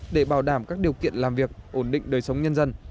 để bảo đảm các điều kiện làm việc ổn định đời sống nhân dân